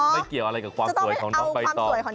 เกี่ยวอะไรกับความสวยของน้องใบตอง